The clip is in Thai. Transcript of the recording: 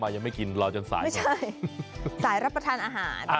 ยังไม่กินไมคือรับประทานอาหาร